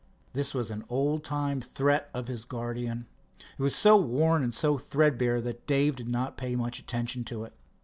This was an old time threat of his guardian. It was worn so threadbare that Dave did not pay much attention to it.